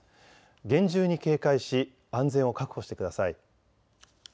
厳重に警戒し安全を確保してください。